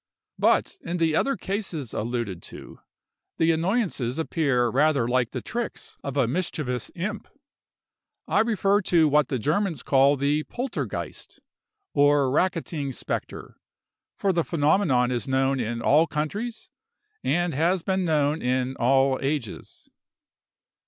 But in the other cases alluded to, the annoyances appear rather like the tricks of a mischievous imp. I refer to what the Germans call the poltergeist, or racketing spectre, for the phenomenon is known in all countries, and has been known in all ages.